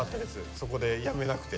そこで辞めなくて。